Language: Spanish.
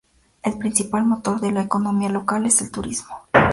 El principal motor del la economía local es el turismo.